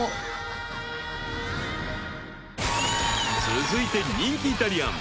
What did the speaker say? ［続いて人気イタリアン。